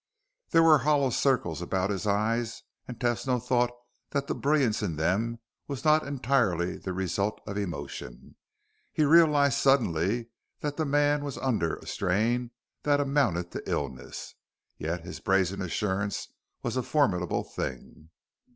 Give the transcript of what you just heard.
There were hollow circles about his eyes, and Tesno thought that the brilliance in them was not entirely the result of emotion. He realized suddenly that the man was under a strain that amounted to illness. Yet his brazen assurance was a formidable thing.